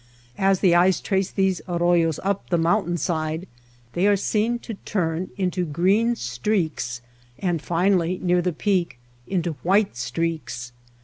As the eyes trace these arroyos up the mountain side they are seen to turn into green streaks and finally, near the peak, into white streaks.